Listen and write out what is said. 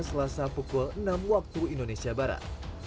selasa pukul enam waktu indonesia barat